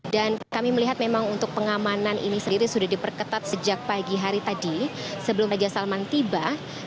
dan kami melihat memang untuk pengamanan ini sendiri sudah diperketat sejak pagi hari tadi sebelum raja salman tiba